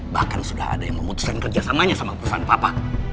bahkan sudah ada yang memutuskan kerjasamanya sama perusahaan papa